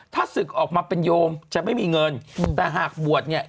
ถ้าศึกออกมาเป็นโยมจะไม่มีเงินแต่หากบวชเนี่ย